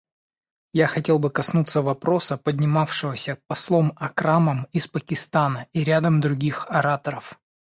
Я хотел бы коснуться вопроса, поднимавшегося послом Акрамом из Пакистана и рядом других ораторов.